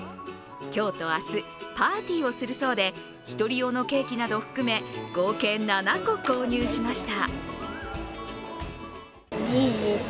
今日と明日、パーティーをするそうで１人用のケーキなどを含め、合計７個購入しました。